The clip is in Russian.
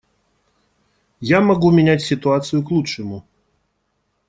Я могу менять ситуацию к лучшему.